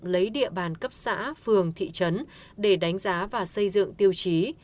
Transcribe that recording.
lấy địa bàn cấp xã phường thị trấn để đánh giá và xây dựng tiêu chí